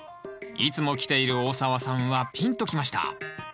いつも来ている大沢さんはピンときました